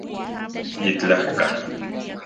Yitlajka